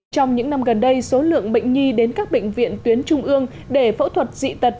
trong những năm gần đây số lượng bệnh nhi đến các bệnh viện tuyến trung ương để phẫu thuật dị tật